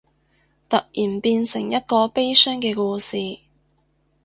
突然變成一個悲傷嘅故事